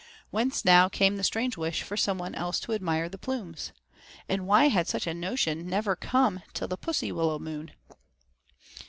Whence now came the strange wish for someone else to admire the plumes? And why had such a notion never come till the Pussywillow Moon?